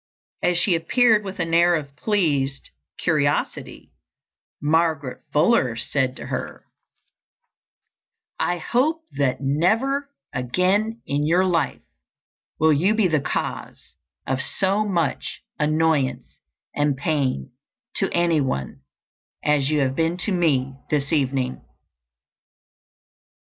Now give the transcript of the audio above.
As she appeared with an air of pleased curiosity, Margaret Fuller said to her, "I hope that never again in your life will you be the cause of so much annoyance and pain to any one as you have been to me this evening."